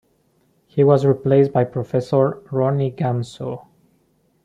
He was replaced by Professor Roni Gamzo.